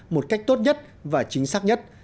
một cách tốt nhất và chính xác nhất